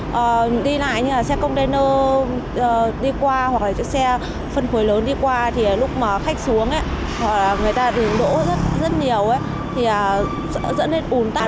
xe đi lại như là xe container đi qua hoặc là xe phân khối lớn đi qua thì lúc mà khách xuống ấy hoặc là người ta dừng đỗ rất nhiều ấy thì dẫn đến ủn tàn